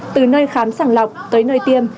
từ nơi khám sàng lọc tới nơi tiêm